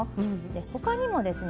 他にもですね